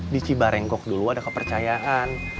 di cibarenggok dulu ada kepercayaan